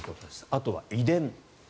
あとは遺伝。